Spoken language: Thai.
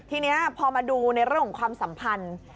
ทีนี้พอมาดูในเรื่องของความสัมพันธ์